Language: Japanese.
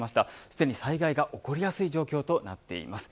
すでに災害が起こりやすい状況となっています。